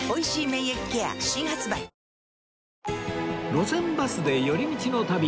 『路線バスで寄り道の旅』